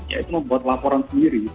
yaitu membuat laporan sendiri